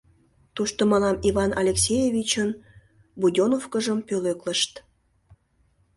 Тушто мылам Иван Алексеевичын будёновкыжым пӧлеклышт.